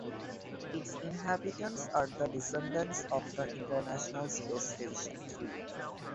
Its inhabitants are the descendants of the International Space Station crew.